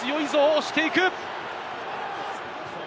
押していく。